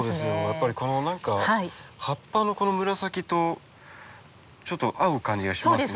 やっぱり何か葉っぱのこの紫とちょっと合う感じがします。